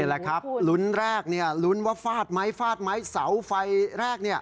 นี่แหละครับลุ้นแรกนี่รุ้นว่าฟาดไม้ฟาดไม้เสาไฟแรกนี่